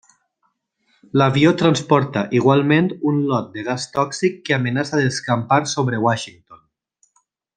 L'avió transporta igualment un lot de gas tòxic que amenaça d'escampar sobre Washington.